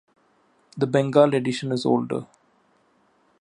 The Bengal edition is older.